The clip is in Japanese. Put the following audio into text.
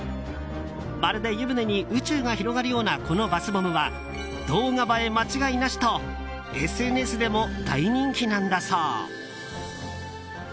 まるで、湯船に宇宙が広がるようなこのバスボムは動画映え間違いなしとＳＮＳでも大人気なんだそう。